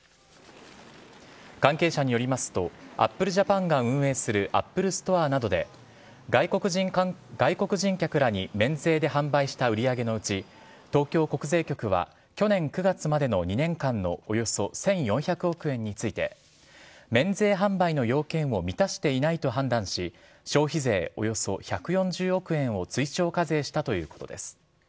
関係者によりますと、アップルジャパンが運営するアップルストアなどで、外国人客らに免税で販売した売り上げのうち、東京国税局は去年９月までの２年間のおよそ１４００億円について、免税販売の要件を満たしていないと判断し、消費税およそ１４０億円を追徴課税したということです。